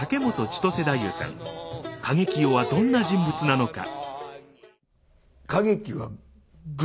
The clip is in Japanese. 景清はどんな人物なのか。